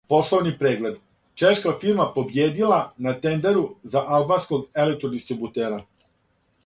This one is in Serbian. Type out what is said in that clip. Пословни преглед: чешка фирма побиједила на тендеру за албанског електродистрибутера